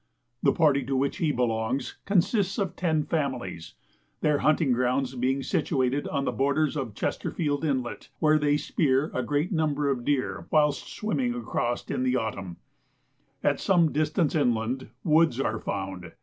The party to which he belongs consists of ten families, their hunting grounds being situated on the borders of Chesterfield Inlet, where they spear a great number of deer whilst swimming across in the autumn. At some distance inland, woods are found.